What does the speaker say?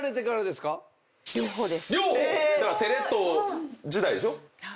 だからテレ東時代でしょ。